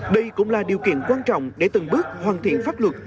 đây cũng là điều kiện quan trọng để từng bước hoàn thiện pháp luật